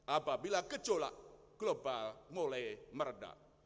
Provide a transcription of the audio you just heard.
apabila gejolak global mulai meredah